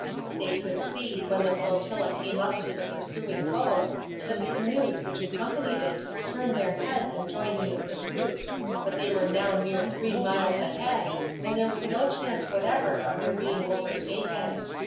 They could see, when the flotilla came up to the pursuing boats, that the canoes which accompanied it turned their heads and joined in the pursuit, but they were now near three miles ahead and there was no chance whatever of their being overtaken.